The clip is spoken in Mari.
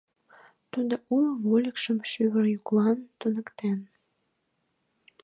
Тудо уло вольыкшым шӱвыр йӱклан туныктен.